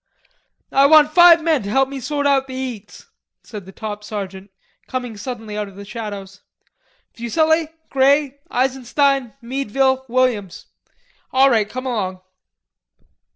"I want five men to help me sort out the eats," said the top sergeant, coming suddenly out of the shadows. "Fuselli, Grey, Eisenstein, Meadville, Williams... all right, come along."